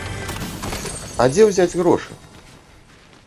А дзе ўзяць грошы?